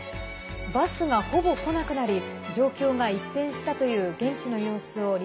バスが、ほぼ来なくなり状況が一変したという現地の様子をリポートします。